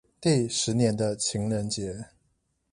第十年的情人節